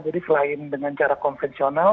jadi selain dengan cara konvensional